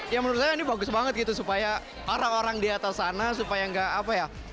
ya menurut saya ini bagus banget gitu supaya orang orang di atas sana supaya nggak apa ya